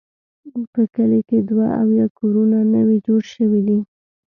په کلي کې دوه اویا کورونه نوي جوړ شوي دي.